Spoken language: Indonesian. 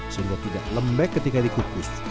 sehingga tidak lembek ketika dikukus